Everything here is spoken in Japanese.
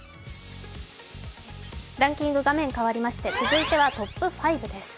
ランキング画面変わりまして続いてはトップ５です。